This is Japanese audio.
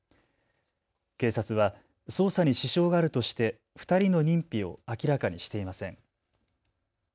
警察は捜査に支障があるとして２人の認否を明らかにしていません。